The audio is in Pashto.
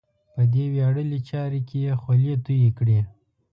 په دې ویاړلې چارې کې یې خولې تویې کړې.